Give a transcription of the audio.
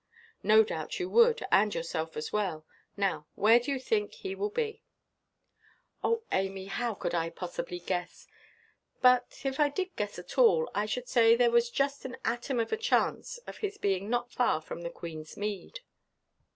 "No doubt you would, and yourself as well. Now where do you think he will be?" "Oh, Amy, how can I possibly guess? But if I did guess at all, I should say there was just an atom of a chance of his being not far from the Queenʼs Mead."